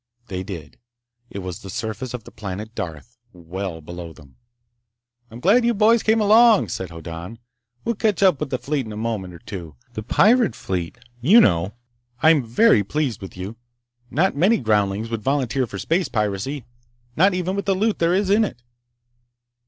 They did. It was the surface of the planet Darth, well below them. "I'm glad you boys came along," said Hoddan. "We'll catch up with the fleet in a moment or two. The pirate fleet, you know! I'm very pleased with you. Not many groundlings would volunteer for space piracy, not even with the loot there is in it!"